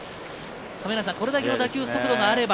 これだけの打球速度があれば。